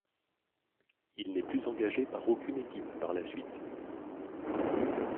Il n'est plus engagé par aucune équipe par la suite.